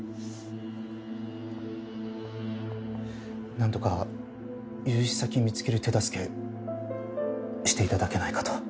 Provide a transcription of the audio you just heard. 何とか融資先見つける手助けしていただけないかと。